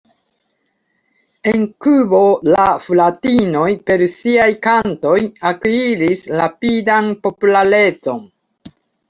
En Kubo la fratinoj per siaj kantoj akiris rapidan popularecon.